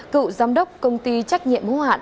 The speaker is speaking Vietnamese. cựu giám đốc công ty trách nhiệm hô hạn